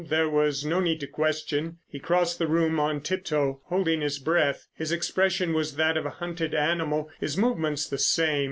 There was no need to question. He crossed the room on tip toe, holding his breath. His expression was that of a hunted animal, his movements the same.